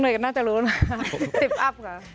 เรนอ๋วยน่าจะรู้นะคะ